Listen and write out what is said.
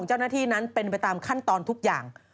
เจ้าหน้าที่นั้นเป็นไปตามขั้นตอนทุกอย่าง